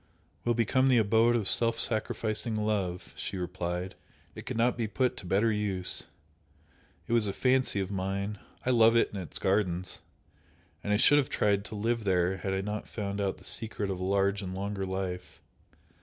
"Will become the abode of self sacrificing love," she replied "It could not be put to better use! It was a fancy of mine; I love it and its gardens and I should have tried to live there had I not found out the secret of a large and longer life!"